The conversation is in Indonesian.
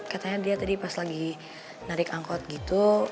katanya dia tadi pas lagi narik angkot gitu